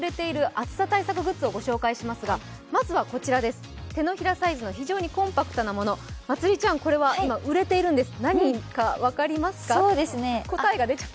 今日はロフトで売れている暑さ対策グッズをご紹介しますがまずはこちらです、手のひらサイズの非常にコンパクトなものまつりちゃん、これは今売れているんです。